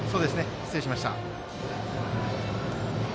失礼しました。